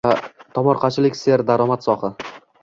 Tomorqachilik serdaromad soha